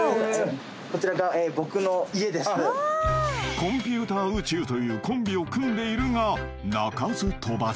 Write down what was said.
［コンピューター宇宙というコンビを組んでいるが鳴かず飛ばず］